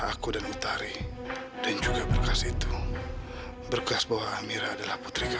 aku harus ketuk mereka